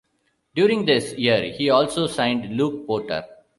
During this year, he also signed Luke Potter.